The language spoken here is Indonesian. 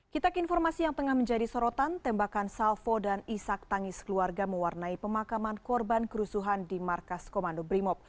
kita ke informasi yang tengah menjadi sorotan tembakan salvo dan isak tangis keluarga mewarnai pemakaman korban kerusuhan di markas komando brimob